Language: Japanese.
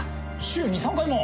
週２３回も！